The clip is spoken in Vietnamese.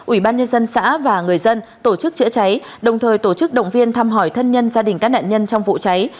ủy ban nhân dân xã và người dân tổ chức chữa cháy đồng thời tổ chức động viên thăm hỏi thân nhân gia đình các nạn nhân trong vụ cháy